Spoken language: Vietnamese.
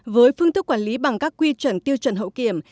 với phương thức quản lý bằng các quy chuẩn tiêu chuẩn hậu kiểm